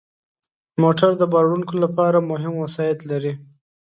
موټر د بار وړونکو لپاره مهم وسایط لري.